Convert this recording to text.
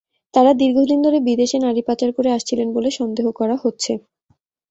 তাঁরা দীর্ঘদিন ধরে বিদেশে নারী পাচার করে আসছিলেন বলে সন্দেহ করা হচ্ছে।